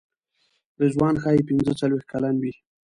رضوان ښایي پنځه څلوېښت کلن وي.